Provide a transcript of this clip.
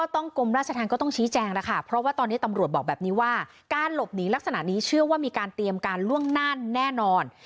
ตำรวจบอกแบบนี้ว่าการหลบหนีลักษณะนี้เชื่อว่ามีการเตรียมการล่วงน่านแน่นอน